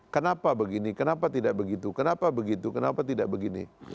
kenapa begini kenapa tidak begitu kenapa begitu kenapa tidak begini